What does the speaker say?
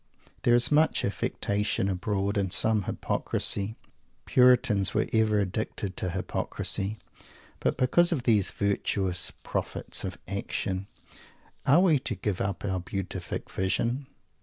There is much affectation abroad, and some hypocrisy. Puritans were ever addicted to hypocrisy. But because of these "virtuous" prophets of "action," are we to give up our Beatific Vision?